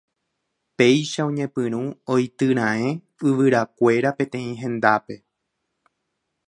Péicha oñepyrũ oityraẽ yvyrakuéra peteĩ hendápe.